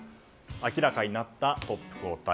明らかになったトップ交代